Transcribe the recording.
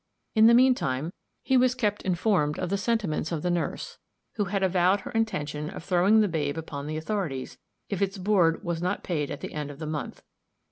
In the mean time he was kept informed of the sentiments of the nurse, who had avowed her intention of throwing the babe upon the authorities, if its board was not paid at the end of the month.